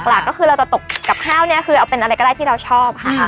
หลักก็คือเราจะตกกับข้าวเนี่ยคือเอาเป็นอะไรก็ได้ที่เราชอบค่ะ